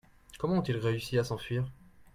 Comment ont-ils réussi à s'enfuir ?